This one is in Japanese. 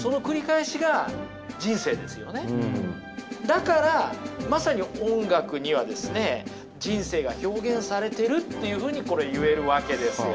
だからまさに音楽にはですね人生が表現されてるっていうふうにこれ言えるわけですよ。